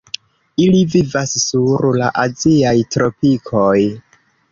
Ili vivas sur la aziaj tropikoj.